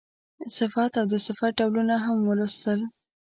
صفت او د صفت ډولونه هم ولوستل.